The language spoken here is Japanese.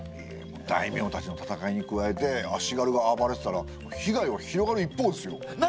大名たちの戦いに加えて足軽が暴れてたら被害は広がる一方ですよ。